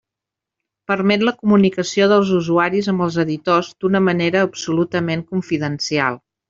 Permet la comunicació dels usuaris amb els editors d'una manera absolutament confidencial.